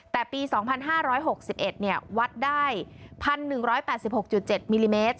แต่ปี๒๕๖๑มิลลิเมตรวัดได้๑๑๘๖๗มิลลิเมตร